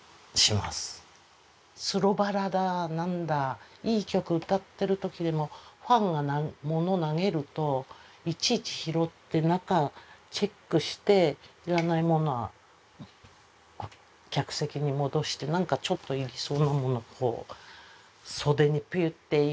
「スロバラ」だ何だいい曲歌ってる時でもファンが物投げるといちいち拾って中チェックして要らない物は客席に戻してなんかちょっと要りそうな物はこう袖にピュッていうのがすごいな。